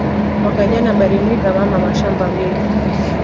Mwaka jana bari mwiba mama mashamba mbiri